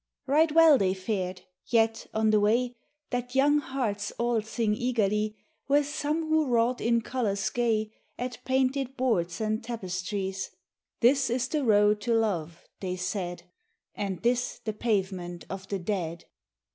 Right well they fared, yet on the way, That young hearts all sing eagerly, Were some who wrought in colours gay At painted boards and tapestries, "This is the road to love," they said; "And this the pavement of the dead."